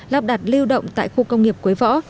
lắp đặt lưu động tại khu công nghiệp quế võ